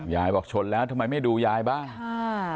ยายบอกชนแล้วทำไมไม่ดูยายบ้างอ่า